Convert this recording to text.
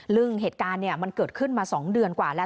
ซึ่งเหตุการณ์มันเกิดขึ้นมา๒เดือนกว่าแล้ว